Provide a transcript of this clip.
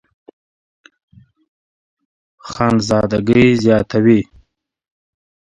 خانزادګۍ زياتوي